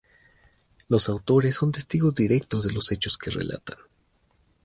Los autores son testigos directos de los hechos que relatan.